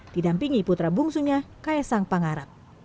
didampingi putra bungsunya kayasang pangarat